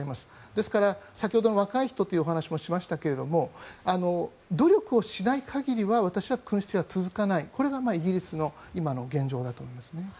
ですから、先ほど若い人というお話をしましたが努力しない限りは私は君主制は続かないこれがイギリスの今の現状だと思いますね。